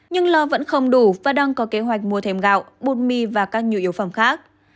nhưng lo vẫn không đủ và đang có kế hoạch mua thêm gạo bột mì và các nhu yếu phẩm khác